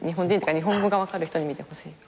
日本語が分かる人に見てほしい。